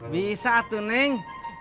bisa tuh neng